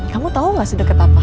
kamu tau gak sedekat apa